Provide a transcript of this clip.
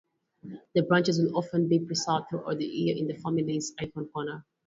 The branches will often be preserved throughout the year in the family's icon corner.